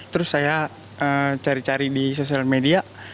terus saya cari cari di sosial media